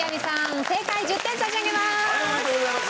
１０点差し上げます。